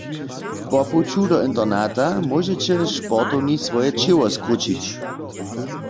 Po puću do internata móžeće w sportowni swoje ćěło skrućić.